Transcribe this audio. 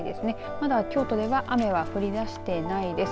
まだ京都では雨は降り出していないです。